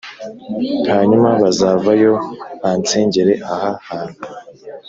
Hanyuma bazavayo bansengere aha hantu